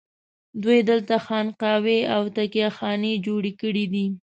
دوی دلته خانقاوې او تکیه خانې جوړې کړي دي.